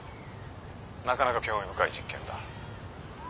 なかなか興味深い実験だ。